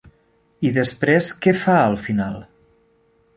I després què fa, al final?